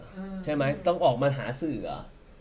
ถ้าอิทธิพลจะโดนอย่างนี้เหรอต้องออกมาหาสื่อเกิดหรือ